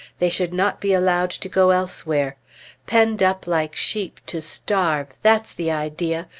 They should not be allowed to go elsewhere. Penned up like sheep to starve! That's the idea!